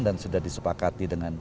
dan sudah disepakati dengan inalat